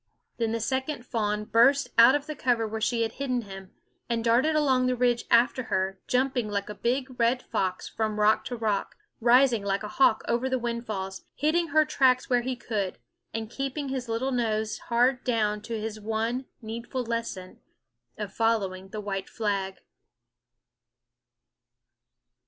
Then the second fawn burst out of the cover where she had hidden him, and darted along the ridge after her, jumping like a big red fox from rock to rock, rising like a hawk over the windfalls, hitting her tracks wherever he could, and keeping his little nose hard down to his one needful lesson of following the white flag.